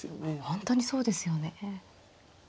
本当にそうですよね。